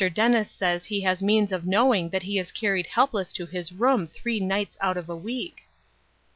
Dennis says he has means of knowing that he is carried helpless to his room three nights out of a week."